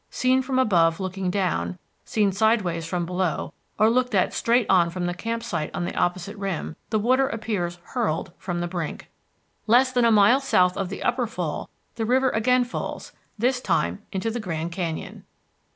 Seen from above looking down, seen sideways from below, or looked at straight on from the camp site on the opposite rim, the water appears hurled from the brink. Less than a mile south of the Upper Fall, the river again falls, this time into the Grand Canyon.